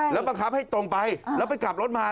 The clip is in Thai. แล้วบังคับให้ตรงไปแล้วไปกลับรถมา